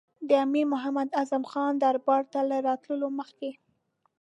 د امیر محمد اعظم خان دربار ته له راتللو مخکې.